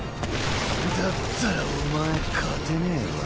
だったらお前勝てねぇわ。